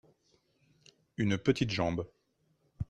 une petite jambe.